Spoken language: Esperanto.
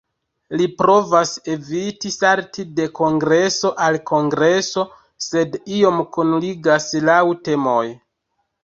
Li provas eviti salti de kongreso al kongreso, sed iom kunligas laŭ temoj.